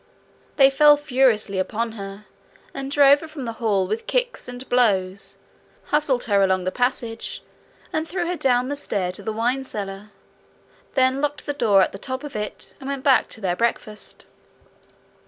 They fell furiously upon her, drove her from the hall with kicks and blows, hustled her along the passage, and threw her down the stair to the wine cellar, then locked the door at the top of it, and went back to their breakfast.